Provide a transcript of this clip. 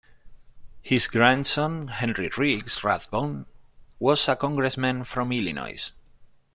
His grandson, Henry Riggs Rathbone, was a congressman from Illinois.